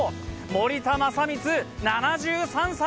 森田正光、７３歳！